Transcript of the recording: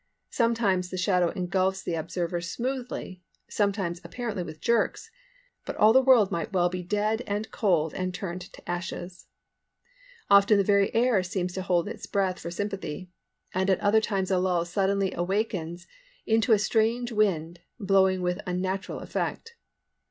Sometimes the shadow engulfs the observer smoothly, sometimes apparently with jerks; but all the world might well be dead and cold and turned to ashes. Often the very air seems to hold its breath for sympathy; at other times a lull suddenly awakens into a strange wind, blowing with unnatural effect.